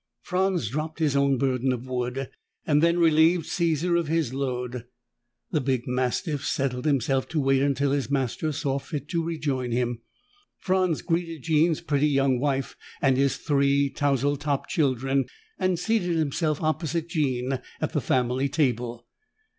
Franz dropped his own burden of wood, then relieved Caesar of his load. The big mastiff settled himself to wait until his master saw fit to rejoin him. Franz greeted Jean's pretty young wife and his three tousle topped children and seated himself opposite Jean at the family table.